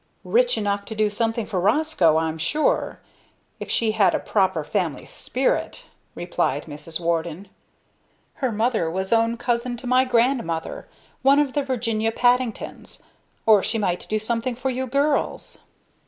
"Rich enough to do something for Roscoe, I'm sure, if she had a proper family spirit," replied Mrs. Warden. "Her mother was own cousin to my grandmother one of the Virginia Paddingtons. Or she might do something for you girls."